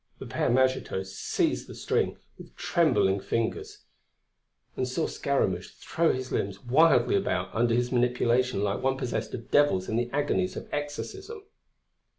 The Père Magitot seized the string with trembling fingers and saw Scaramouch throw his limbs wildly about under his manipulation like one possessed of devils in the agonies of exorcism."